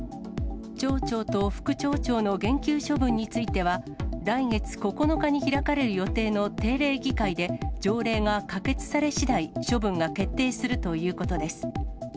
町長と副町長の減給処分については、来月９日に開かれる予定の定例議会で条例が可決されしだい処分が決定するということです。